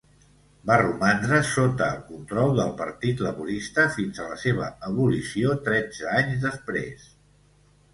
Va romandre sota el control del Partit Laborista fins a la seva abolició tretze anys després.